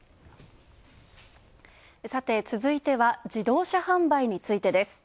さて続いては自動車販売についてです。